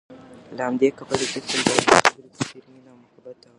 له همدې کبله زه تل دهغې خبرې په ډېرې مينې او محبت اورم